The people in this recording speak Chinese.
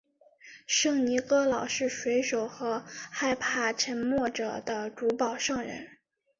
圣尼各老是水手和害怕沉没者的主保圣人。